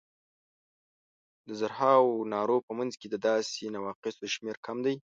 د زرهاوو نارو په منځ کې د داسې نواقصو شمېر کم دی.